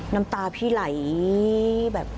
น้ำตาพี่ไหลแบบ